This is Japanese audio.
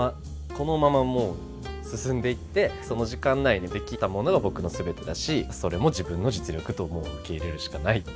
このままもう進んでいってその時間内にできたものが僕のすべてだしそれも自分の実力ともう受け入れるしかないっていう。